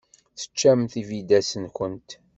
Teččamt tibidas-nkent?